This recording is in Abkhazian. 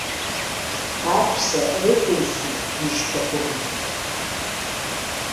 Аҳәса рыхьусу бжьқәа гоит.